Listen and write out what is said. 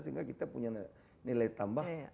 sehingga kita punya nilai tambah